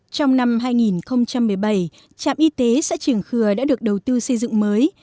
trong năm hai nghìn một mươi bảy trạm y tế xã trường khừa đã được đầu tư xây dựng mới